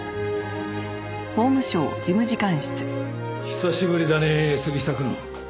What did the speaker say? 久しぶりだね杉下くん。